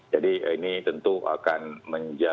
jadi ini tentu akan menjadi